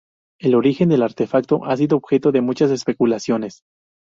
El origen del artefacto ha sido objeto de muchas especulaciones.